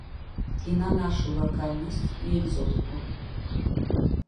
І на нашую лакальнасць і экзотыку.